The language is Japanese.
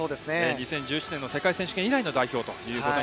２０１７年の世界選手権以来の代表です。